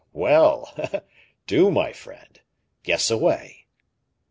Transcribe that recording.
"Well! do, my friend; guess away."